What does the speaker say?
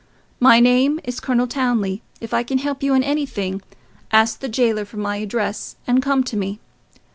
My name is Colonel Townley: if I can help you in anything, ask the jailer for my address and come to me.